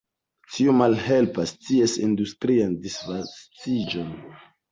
Tio malhelpas ties industrian disvastiĝon.